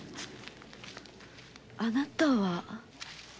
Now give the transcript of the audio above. あなたは？